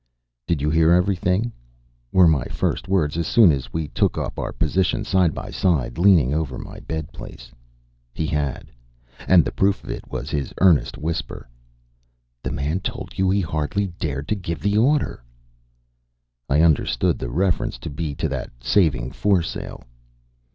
"Did you hear everything?" were my first words as soon as we took up our position side by side, leaning over my bed place. He had. And the proof of it was his earnest whisper, "The man told you he hardly dared to give the order." I understood the reference to be to that saving foresail.